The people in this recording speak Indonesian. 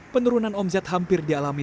penurunan omset hampir dialami